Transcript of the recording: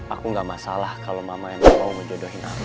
aku gak masalah kalau mama yang mau menjodohin aku